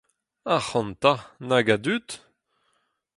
Ac’hanta, nag a dud !